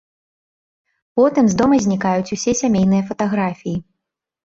Потым з дома знікаюць усе сямейныя фатаграфіі.